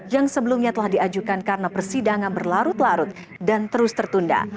yang sebelumnya telah diajukan karena persidangan berlarut larut dan terus tertunda